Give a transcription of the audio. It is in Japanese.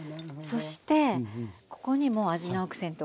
そしてここにも味のアクセントを。